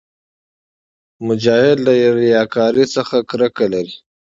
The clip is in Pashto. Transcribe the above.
مجاهد له ریاکارۍ څخه کرکه لري.